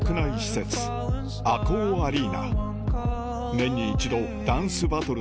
年に一度ダンスバトル